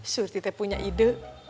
surti t punya ide